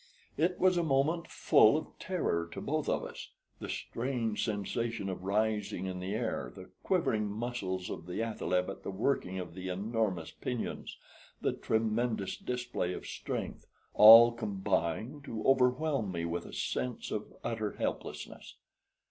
It was a moment full of terror to both of us; the strange sensation of rising in the air, the quivering muscles of the athaleb at the working of the enormous pinions, the tremendous display of strength, all combined to overwhelm me with a sense of utter helplessness.